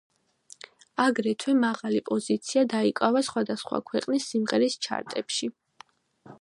აგრეთვე მაღალი პოზიცია დაიკავა სხვადასხვა ქვეყნის სიმღერის ჩარტებში.